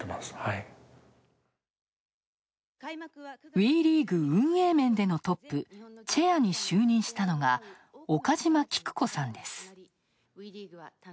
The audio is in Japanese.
ＷＥリーグ運営面でのトップ、チェアに就任したのは岡島喜久子さんです。